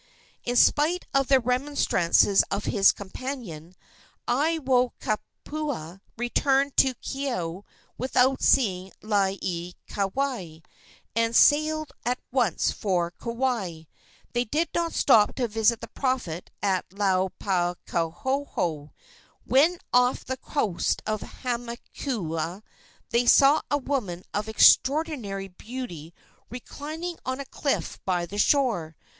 In spite of the remonstrances of his companion, Aiwohikupua returned to Keaau without seeing Laieikawai, and sailed at once for Kauai. They did not stop to visit the prophet at Laulapahoehoe. When off the coast of Hamakua they saw a woman of extraordinary beauty reclining on a cliff by the shore.